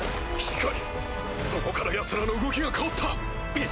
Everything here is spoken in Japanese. しかりそこからヤツらの動きが変わった！